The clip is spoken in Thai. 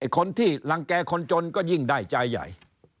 คนที่รังแก่คนจนก็ยิ่งได้ใจใหญ่